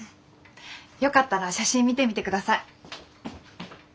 よかったら写真見てみてください。